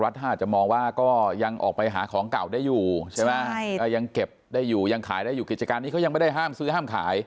แต่ไม่มีคนซื้อคนไม่อยากใช้สตางค์